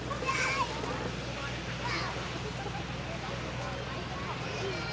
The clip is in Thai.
สวัสดีครับทุกคน